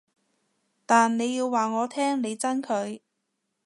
但你要話我聽你憎佢